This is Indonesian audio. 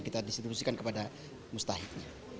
kita disitu disikan kepada mustahil